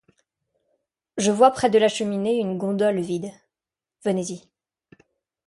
Je vois près de la cheminée une gondole vide, venez-y.